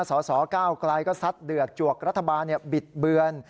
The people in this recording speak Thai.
สสก้าวไกลก็ซัดเดือดจวกรัฐบาลบิดเบือน